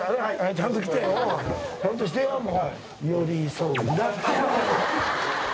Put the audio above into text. ちゃんとしてよもう。